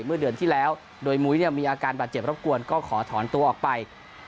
เมื่อเดือนที่แล้วโดยมุ้ยมีอาการบาดเจ็บรบกวนก็ขอถอนตัวออกไป